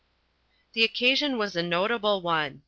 The occasion was a notable one.